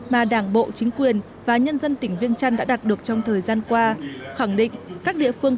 mà đảng bộ chính quyền và nhân dân tỉnh viêng trăn đã đạt được trong thời gian qua khẳng định các địa phương